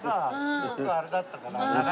すごくあれだったから。